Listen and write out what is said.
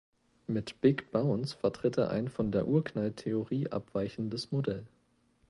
Mit Big Bounce vertritt er ein von der Urknall-Theorie abweichendes Modell.